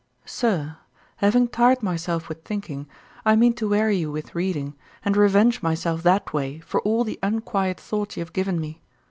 SIR, Having tired myself with thinking, I mean to weary you with reading, and revenge myself that way for all the unquiet thoughts you have given me.